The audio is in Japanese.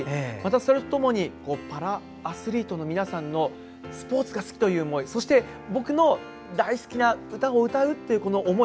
それとともにパラアスリートの皆さんのスポーツが好きという思いそして僕の大好きな歌を歌うという思い